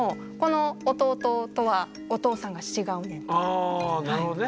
あなるほどね。